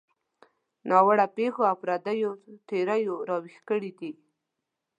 ناوړه پېښو او پردیو تیریو راویښ کړي دي.